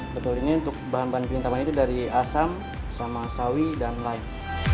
betul ini untuk bahan bahan green tamarin itu dari asam sama sawi dan lime